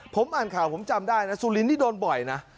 ผมอ่านข่าวผมจำได้นะสุลินนี่โดนบ่อยนะ